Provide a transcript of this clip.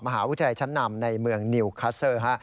มหาวิทยาลัยชั้นนำในเมืองนิวคัสเซอร์ฮะ